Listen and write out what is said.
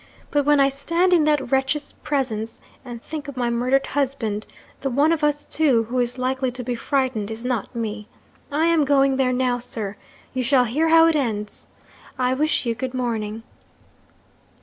But when I stand in that wretch's presence, and think of my murdered husband, the one of us two who is likely to be frightened is not me. I am going there now, sir. You shall hear how it ends. I wish you good morning.'